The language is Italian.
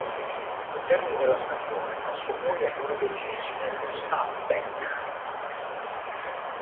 Al termine della stagione passò poi ai norvegesi dello Stabæk.